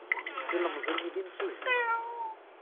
Ilemẓi-nni d imsujji.